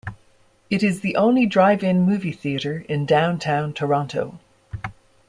It is the only drive-in movie theatre in downtown Toronto.